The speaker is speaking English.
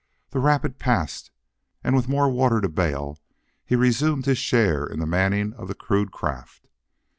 That rapid passed and with more water to bail, he resumed his share in the manning of the crude craft.